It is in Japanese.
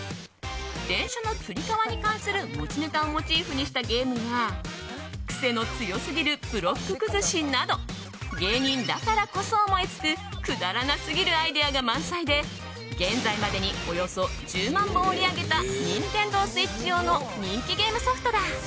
電車のつり革に関する持ちネタをモチーフにしたゲームや癖の強すぎるブロック崩しなど芸人だからこそ思いつくくだらなすぎるアイデアが満載で現在までにおよそ１０万本を売り上げたＮｉｎｔｅｎｄｏＳｗｉｔｃｈ用の人気ゲームソフトだ。